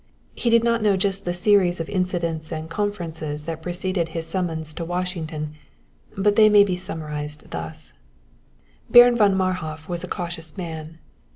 He did not know just the series of incidents and conferences that preceded his summons to Washington, but they may be summarized thus: Baron von Marhof was a cautious man.